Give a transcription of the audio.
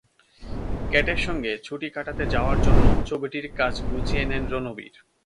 ক্যাটের সঙ্গে ছুটি কাটাতে যাওয়ার জন্য ছবিটির কাজ গুছিয়ে নেন রণবীর।